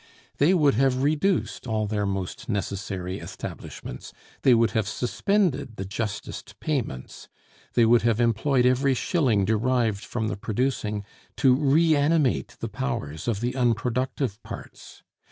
They would have reduced all their most necessary establishments; they would have suspended the justest payments; they would have employed every shilling derived from the producing, to re animate the powers of the unproductive, parts.